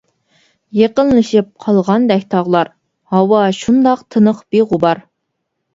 يېقىنلىشىپ قالغاندەك تاغلار، ھاۋا شۇنداق تىنىق بىغۇبار.